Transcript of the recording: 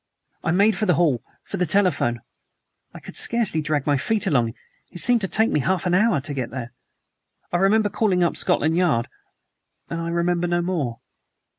I made for the hall, for the telephone. I could scarcely drag my feet along. It seemed to take me half an hour to get there. I remember calling up Scotland Yard, and I remember no more."